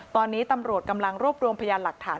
ตอนนี้ตำรวจกำลังรวบรวมพยานหลักฐาน